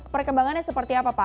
perkembangannya seperti apa pak